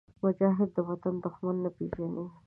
مجاهد د وطن دښمن نه پېژني.